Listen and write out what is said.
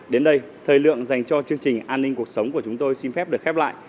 đến đây thời lượng dành cho chương trình an ninh cuộc sống của chúng tôi xin phép được khép lại